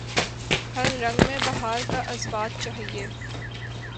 ہر رنگ میں بہار کا اثبات چاہیے